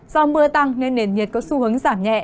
do mưa tăng nên nền nhiệt có xu hướng giảm nhẹ